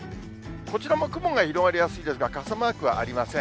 こちらも雲が広がりやすいですが、傘マークはありません。